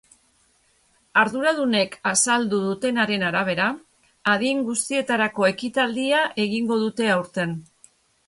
Arduradunek azaldu dutenaren arabera, adin guztietarako ekitaldia egingo dute aurten.